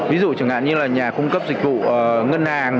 ví dụ như nhà cung cấp dịch vụ ngân hàng